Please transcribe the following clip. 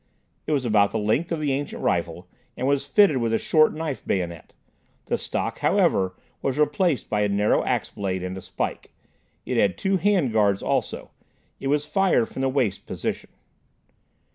It was about the length of the ancient rifle, and was fitted with a short knife bayonet. The stock, however, was replaced by a narrow ax blade and a spike. It had two hand guards also. It was fired from the waist position.